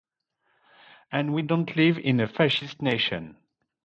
And we don't live in a fascist nation!